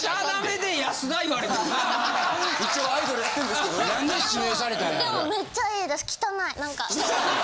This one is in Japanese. でもめっちゃいいです。